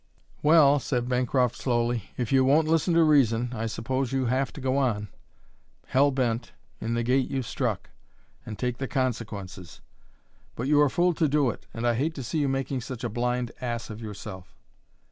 "Well," said Bancroft slowly, "if you won't listen to reason I suppose you'll have to go on, hell bent, in the gait you've struck and take the consequences. But you're a fool to do it, and I hate to see you making such a blind ass of yourself."